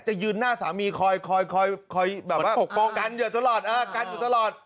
จะยืนหน้าสามีคอยคอยคอยคอยแบบว่ากันอยู่ตลอดเออกันอยู่ตลอด